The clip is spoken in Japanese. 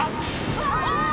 うわ！